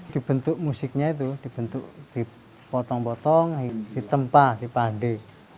di bentuk musiknya itu dipotong potong ditempah dipade